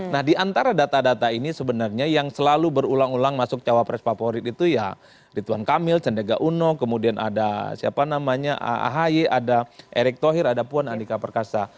nah di antara data data ini sebenarnya yang selalu berulang ulang masuk cawapres favorit itu ya ridwan kamil sendega uno kemudian ada siapa namanya ahy ada erick thohir ada puan andika perkasa